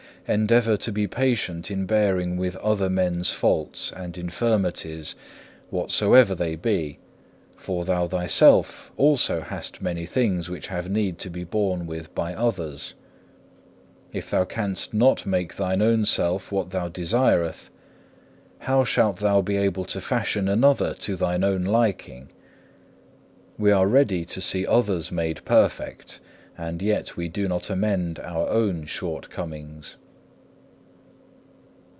Endeavour to be patient in bearing with other men's faults and infirmities whatsoever they be, for thou thyself also hast many things which have need to be borne with by others. If thou canst not make thine own self what thou desireth, how shalt thou be able to fashion another to thine own liking. We are ready to see others made perfect, and yet we do not amend our own shortcomings.